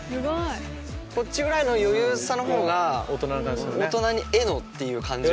こっちぐらいの余裕さのほうが「大人への」っていう感じは。